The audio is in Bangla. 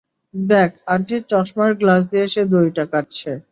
দেখ আন্টির চশমার গ্লাস দিয়ে সে দড়িটা কাটছে।